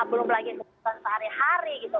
belum lagi kebutuhan sehari hari gitu